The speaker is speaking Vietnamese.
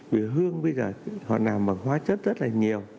vì hương bây giờ họ nằm bằng hóa chất rất là nhiều